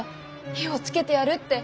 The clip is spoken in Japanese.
火をつけてやるって。